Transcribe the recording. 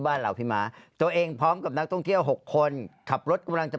มันมายังไงเดี๋ยวไปดูสิคะ